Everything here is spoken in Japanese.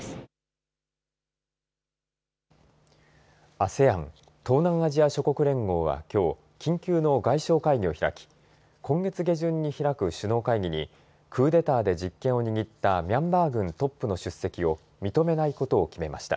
ＡＳＥＡＮ東南アジア諸国連合は、きょう緊急の外相会議を開き今月下旬に開く首脳会議にクーデターで実権を握ったミャンマー軍トップの出席を認めないことを決めました。